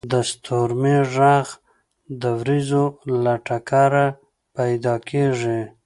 • د ستورمې ږغ د ورېځو له ټکره پیدا کېږي.